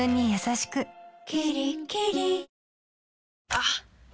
あっ！